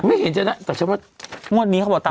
ไม่เห็นจะได้แต่ฉันว่างวดนี้เขาบอกตา